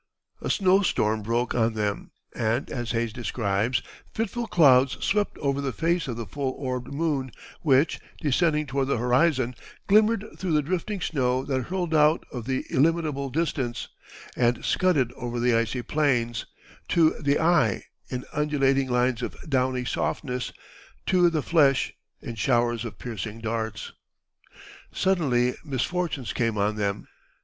A snow storm broke on them, and, as Hayes describes, "fitful clouds swept over the face of the full orbed moon, which, descending toward the horizon, glimmered through the drifting snow that hurled out of the illimitable distance, and scudded over the icy plains to the eye, in undulating lines of downy softness; to the flesh, in showers of piercing darts." Suddenly misfortunes came on them.